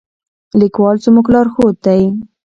لیکوال زموږ لارښود دی.